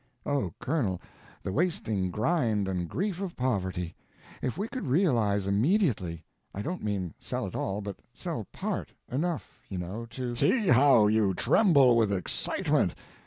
"O, Colonel, the wasting grind and grief of poverty! If we could realize immediately. I don't mean sell it all, but sell part—enough, you know, to—" "See how you tremble with excitement.